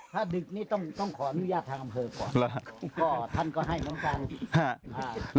ถ้าดึกนี่ต้องต้องขอนุญาตทางกำเผินก่อนแล้วฮะก็ท่านก็ให้น้องตาลฮะ